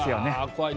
怖い。